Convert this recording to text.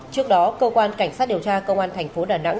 trước đó cơ quan cảnh sát điều tra công an thành phố đà nẵng